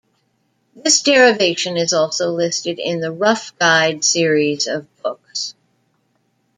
This derivation is also listed in the 'Rough Guide' series of books.